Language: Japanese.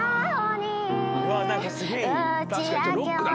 うわあ何かすげえいい。